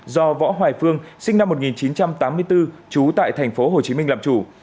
do võ hoài phương sinh năm một nghìn chín trăm tám mươi bốn trú tại tp hcm làm chủ